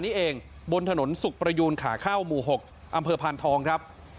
นี้เองบนถนนสุขประยูนขาเข้าหมู่๖อำเภอพานทองครับ